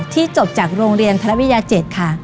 ที่จบจากโรงเรียนธรรมยา๗ค่ะ